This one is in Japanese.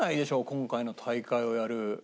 今回の大会をやる。